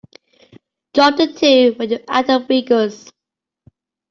Drop the two when you add the figures.